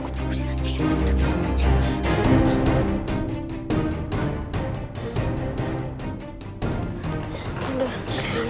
tunggu tunggu tunggu